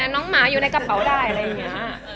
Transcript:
น้องหมาอยู่ในกระเป๋าได้อะไรอย่างนี้